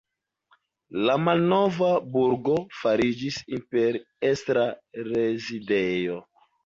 La malnova burgo fariĝis imperiestra rezidejo.